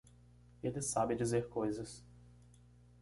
Ele sabe dizer coisas.